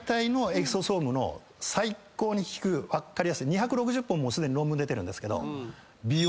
２６０本もうすでに論文出てるんですけど。